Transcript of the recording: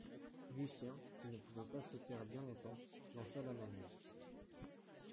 Lucien, qui ne pouvait pas se taire bien longtemps, lança la manœuvre